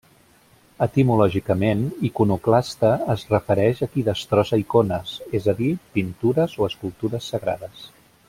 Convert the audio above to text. Etimològicament, iconoclasta es refereix a qui destrossa icones, és a dir, pintures o escultures sagrades.